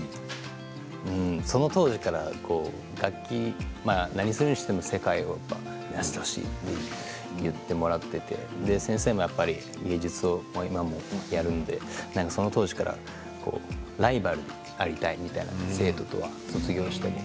その当時から楽器、何をするにも世界を目指してほしいと言ってもらっていて先生も芸術も今もやるのでその当時からライバルでありたい、みたいな生徒とは卒業しても。